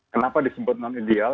kenapa disebut non ideal